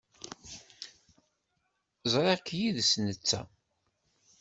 Ẓriɣ-k yid-s netta.